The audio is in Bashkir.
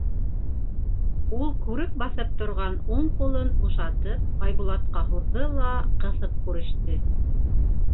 — Ул күрек баҫып торған уң ҡулын бушатып Айбулатҡа һуҙҙы ла ҡыҫып күреште.